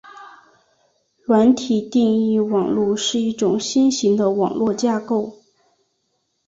软体定义网路是一种新型网络架构。